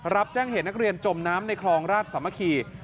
รับแจ้งเหตุนักเรียนจมน้ำในคลองราชสามัคคี